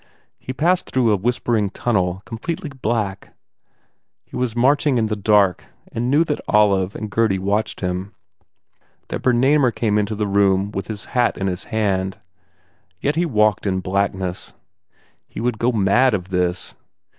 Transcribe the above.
He passed through a whispering tunnel, completely black. He was marching in the dark and knew that Olive and Gurdy watched him, that Bernamer came into the room with his hat in a hand. Yet he walked in blackness. He would go mad of this!